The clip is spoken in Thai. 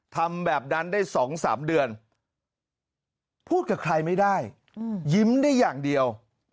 ทำแบบนั้นได้๒๓เดือนพูดกับใครไม่ได้ยิ้มได้อย่างเดียว